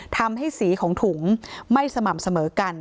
ทำให้สีของถุงไม่สม่ำเสมอกัน